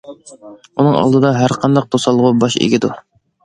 ئۇنىڭ ئالدىدا ھەر قانداق توسالغۇ باش ئىگىدۇ.